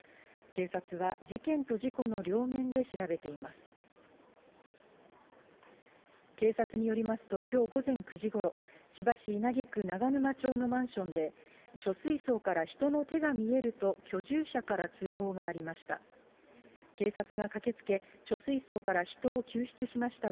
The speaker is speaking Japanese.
警察によりますと、きょう午前９時ごろ、千葉市稲毛区長沼町のマンションで、貯水槽から人の手が見えると、居住者から通報がありました。